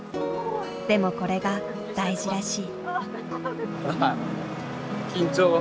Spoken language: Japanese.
でもこれが大事らしい。